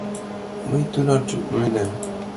— Мый тунар чот ноенам.